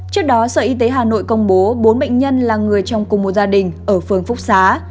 trước đó sở y tế hà nội công bố bốn bệnh nhân là người trong cùng một gia đình ở phường phúc xá